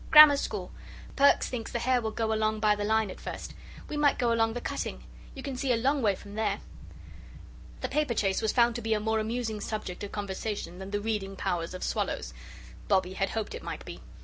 "Grammar School. Perks thinks the hare will go along by the line at first. We might go along the cutting. You can see a long way from there." The paperchase was found to be a more amusing subject of conversation than the reading powers of swallows. Bobbie had hoped it might be.